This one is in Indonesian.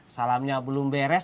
salamnya belum beres